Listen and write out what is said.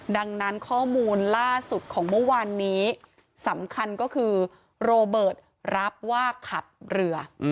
ดังนั้นข้อมูลล่าสุดของเมื่อวานนี้สำคัญก็คือโรเบิร์ตรับว่าขับเรือ